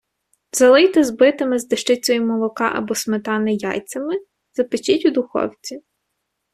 Залийте збитими з дещицею молока або сметани яйцями, запечіть у духовці.